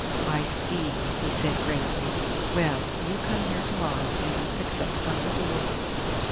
"I see," he said gravely. "Well, you come here tomorrow, and we'll fix up suthin' to work her."